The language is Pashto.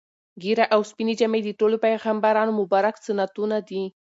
ږیره او سپینې جامې د ټولو پیغمبرانو مبارک سنتونه دي.